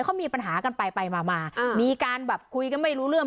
เขามีปัญหากันไปไปมามามีการแบบคุยกันไม่รู้เรื่อง